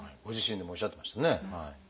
ご自身でもおっしゃってましたね。